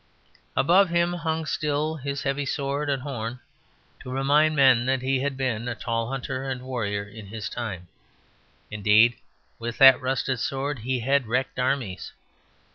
Above him hung still his heavy sword and horn, to remind men that he had been a tall hunter and warrior in his time: indeed, with that rusted sword he had wrecked armies.